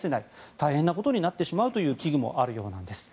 大変なことになってしまうという危惧もあるようです。